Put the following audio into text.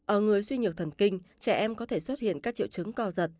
ở người suy nhược thần kinh trẻ em có thể xuất hiện các triệu chứng co giật